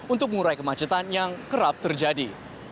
untuk mengurai kemacetan yang kerap terjadi